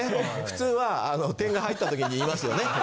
普通は点が入ったときに言いますよね。